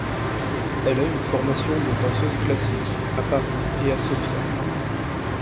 Elle a une formation de danseuse classique, à Paris et à Sofia.